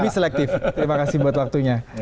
lebih selektif terima kasih buat waktunya